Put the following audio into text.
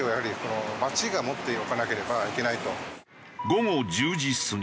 午後１０時過ぎ。